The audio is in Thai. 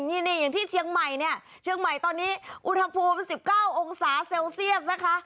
นี่อย่างที่เชียงใหม่เนี่ยเชียงใหม่ตอนนี้อุณหภูมิ๑๙องศาเซลเซียสนะคะ